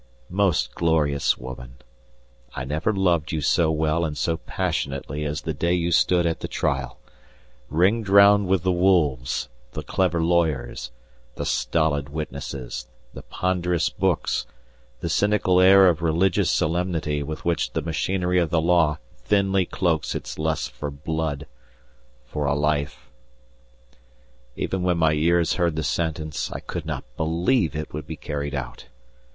Most glorious woman, I never loved you so well and so passionately as the day you stood at the trial, ringed round with the wolves, the clever lawyers, the stolid witnesses, the ponderous books, the cynical air of religious solemnity with which the machinery of the law thinly cloaks its lust for blood for a life. Even when my ears heard the sentence, I could not believe it would be carried out.